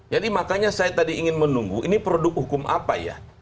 jadi makanya saya tadi ingin menunggu ini produk hukum apa ya